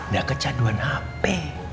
gak kecanduan hp